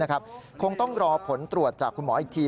คงต้องรอผลตรวจจากคุณหมออีกที